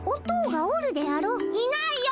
いないよ！